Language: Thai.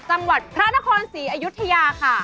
จังหวัดพระนครศรีอยุธยาค่ะ